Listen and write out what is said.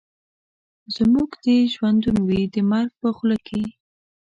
زموږ دي ژوندون وي د مرګ په خوله کي